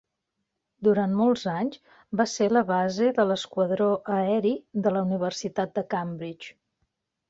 Durant molts anys va ser la base de l'esquadró aeri de la Universitat de Cambridge.